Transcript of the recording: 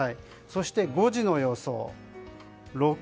そして５時の予想。